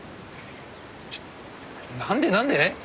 ちょっなんでなんで？